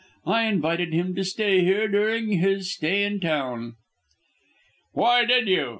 I invited him to stay here during his stay in town." "Why did you?"